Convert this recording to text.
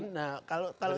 nah kalau tidak